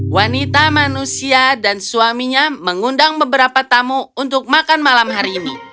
wanita manusia dan suaminya mengundang beberapa tamu untuk makan malam hari ini